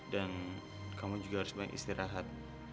dan kamu juga harus banyak istirahat